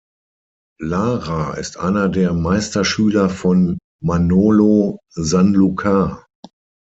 Lara ist einer der Meisterschüler von Manolo Sanlúcar.